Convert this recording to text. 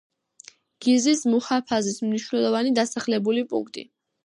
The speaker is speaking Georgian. გიზის მუჰაფაზის მნიშვნელოვანი დასახლებული პუნქტი.